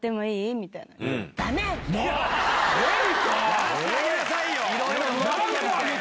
やらしてあげなさいよ！